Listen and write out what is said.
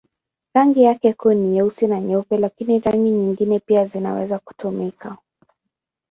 Rangi yake kuu ni nyeusi na nyeupe, lakini rangi nyingine pia zinaweza kutumika.